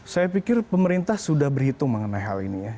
saya pikir pemerintah sudah berhitung mengenai hal ini ya